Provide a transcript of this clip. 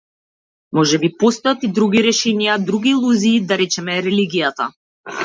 Можеби постојат и други решенија, други илузии, да речеме религијата.